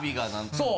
そう。